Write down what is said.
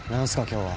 今日は。